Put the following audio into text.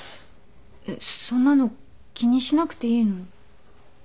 えっそんなの気にしなくていいのに。